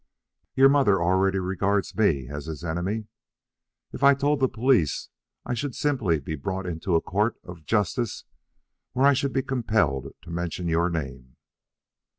Your mother already regards me as his enemy. If I told the police I should simply be brought into a court of justice, where I should be compelled to mention your name."